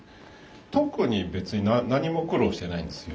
特に別に何も苦労してないんですよ。